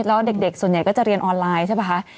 แล้วเด็กส่วนใหญ่ก็จะเรียนออนไลน์ใช่ป่ะคะ